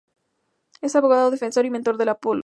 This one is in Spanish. Es abogado defensor y mentor de "Apollo".